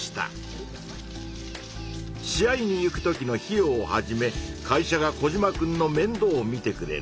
試合に行くときの費用をはじめ会社がコジマくんのめんどうをみてくれる。